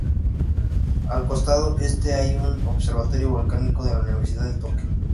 Al costado este hay un observatorio volcánico de la Universidad de Tokio.